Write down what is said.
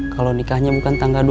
kalau nikahnya bukan tanggal dua puluh